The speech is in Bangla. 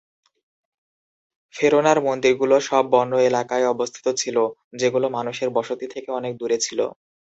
ফেরোনার মন্দিরগুলো সব বন্য এলাকায় অবস্থিত ছিল, যেগুলো মানুষের বসতি থেকে অনেক দূরে ছিল।